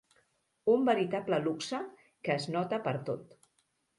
Un veritable luxe que es nota pertot.